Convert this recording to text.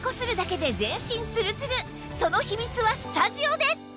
その秘密はスタジオで！